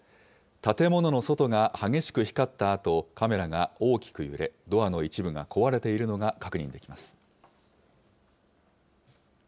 建物の外が激しく光ったあと、カメラが大きく揺れ、ドアの一部が壊れているのが確認できます。